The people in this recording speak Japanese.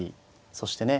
そしてね